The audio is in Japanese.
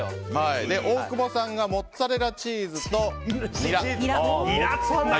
大久保さんがモッツァレラチーズとニラ。